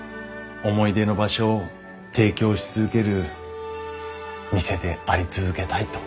思い出の場所を提供し続ける店であり続けたいと。